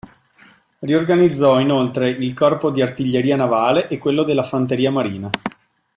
Riorganizzò inoltre il corpo di artiglieria navale e quello della fanteria marina.